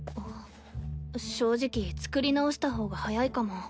正直作り直した方が早いかも。